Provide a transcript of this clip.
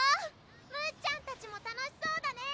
むっちゃんたちも楽しそうだね！